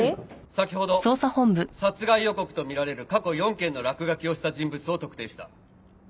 先ほど殺害予告とみられる過去４件の落書きをした人物を特定した。